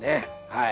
はい。